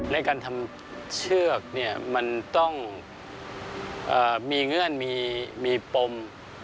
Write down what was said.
ในการทำเชือกมันต้องมีเงื่อนมีปมมีการต่อเชือก